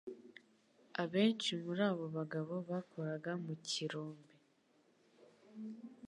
Abenshi muri abo bagabo bakoraga mu kirombe.